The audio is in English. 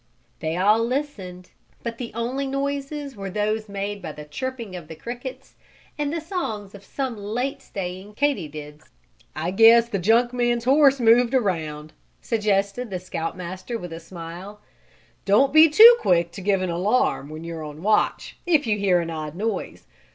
They all listened, but the only noises were those made by the chirping of the crickets and the songs of some late staying Katy dids. "I guess the junk man's horse moved around," suggested the Scout Master with a smile. "Don't be too quick to give an alarm, when you're on watch, if you hear an odd noise.